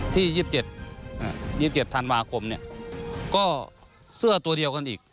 ที่ยี่สิบเจ็ดอ่ายี่สิบเจ็ดธันวาคมเนี้ยก็เสื้อตัวเดียวกันอีก